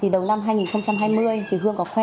đầu năm hai nghìn hai mươi hương có khoe